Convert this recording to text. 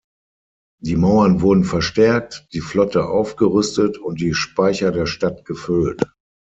Die Mauern wurden verstärkt, die Flotte aufgerüstet und die Speicher der Stadt gefüllt.